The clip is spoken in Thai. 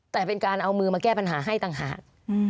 แต่เป็นการเอามือมาแก้ปัญหาให้ต่างหาก